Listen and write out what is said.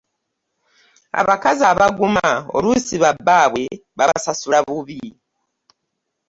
Abakazi abaguma oluusi ba bbaabwe babasasula bubi.